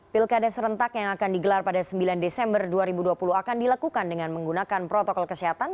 pilkada serentak yang akan digelar pada sembilan desember dua ribu dua puluh akan dilakukan dengan menggunakan protokol kesehatan